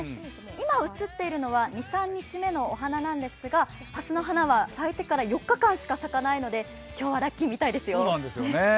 今、映っているのは２３日目のお花なんですがはすの花は咲いてから４日間しか咲かないので今日はラッキーみたいですよ。